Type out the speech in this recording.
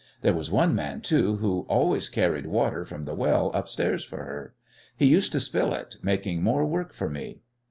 There was one man, too, who always carried water from the well upstairs for her. He used to spill it, making more work for me."